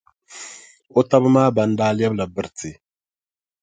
O taba maa ban daa lɛbila biriti.